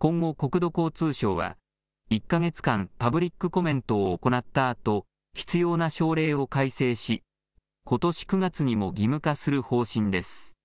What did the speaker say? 今後、国土交通省は１か月間、パブリックコメントを行ったあと、必要な省令を改正し、ことし９月にも義務化する方針です。